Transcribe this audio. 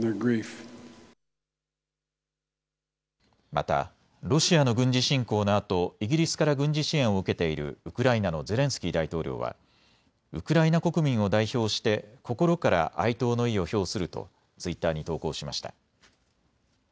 またロシアの軍事侵攻のあとイギリスから軍事支援を受けているウクライナのゼレンスキー大統領はウクライナ国民を代表して心から哀悼の意を表するとツイッターに投稿しました。